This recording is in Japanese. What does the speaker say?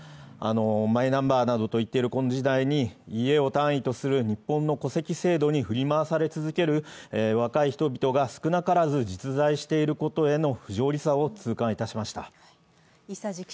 マイナンバーなどと言っているこの時代に、家を単位とする日本の戸籍制度に振り回され続ける若い人々が少なからず実在していることへの不条理さを痛感いたしました。